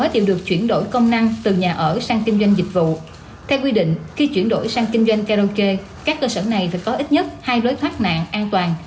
theo quy định khi chuyển đổi sang kinh doanh karaoke các cơ sở này phải có ít nhất hai lối thoát nạn an toàn